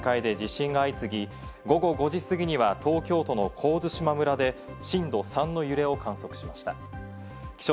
昨日、夕方から伊豆諸島の八丈島近海で地震が相次ぎ、午後５時過ぎには東京都の神津島村で震度３の揺れを観測しました。